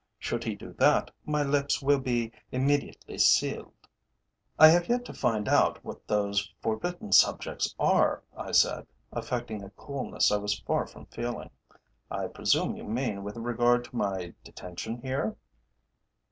"Should he do that, my lips will be immediately sealed." "I have yet to find out what those forbidden subjects are," I said, affecting a coolness I was far from feeling. "I presume you mean with regard to my detention here?"